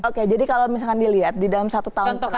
oke jadi kalau misalkan dilihat di dalam satu tahun terakhir